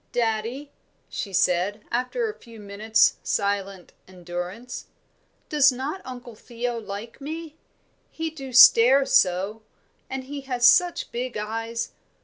"Daddie," she said, after a few minutes' silent endurance. "Does not Uncle Theo like me? He do stare so. And he has such big eyes."